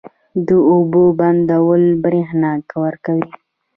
د اوبو بندونه برښنا ورکوي